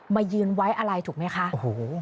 มายืนไว้อะไรถูกไหมคะโอ้โห